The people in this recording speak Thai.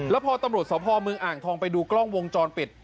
แล้วพอตำรวจสพเมืองอ่างทองไปดูกล้องวงจรปิด